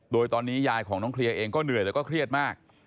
โดยตอนนี้ยายของน้องเคลียร์เองก็เหนื่อยแล้วก็เครียดมาก